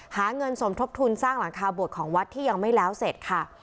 หาเงินสมทบทุนสร้างหลังคาบวชของวัดที่ยังไม่แล้วเสร็จค่ะ